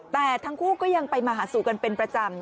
แต่ทั้งคู่ก็ยังไปมาหาสู่กันเป็นประจำ